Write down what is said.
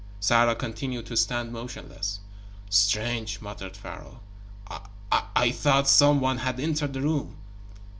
Sarah continued to stand motionless. "Strange," muttered Pharaoh. "I I thought some one had entered the room."